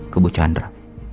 ke bu chandra